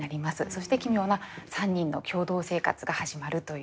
そして奇妙な３人の共同生活が始まるという。